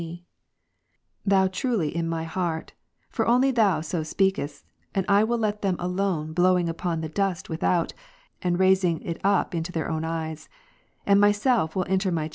261 Speak Thou truly in my heart ; for only Thou so speakest : and I will let them alone blowing upon the dust without, and raising it up into their own eyes : and myself will enter my Is.